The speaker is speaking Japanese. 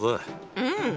うん。